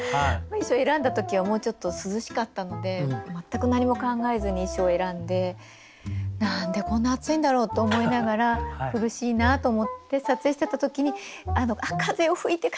衣装を選んだ時はもうちょっと涼しかったので全く何も考えずに衣装を選んで何でこんな暑いんだろうと思いながら苦しいなと思って撮影してた時に風よ吹いて！